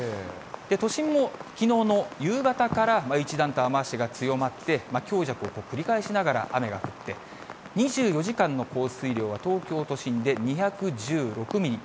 都心もきのうの夕方から、一段と雨足が強まって、強弱を繰り返しながら雨が降って、２４時間の降水量は東京都心で２１６ミリ。